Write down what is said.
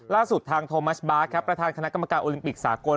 ล่าสุดทางโทมัชบาสครับประธานคณะกรรมการโอลิมปิกสากล